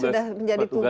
sudah menjadi tugas